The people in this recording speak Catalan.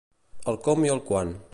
El com i el quan.